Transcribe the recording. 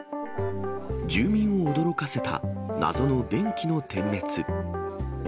住民を驚かせた謎の電気の点滅。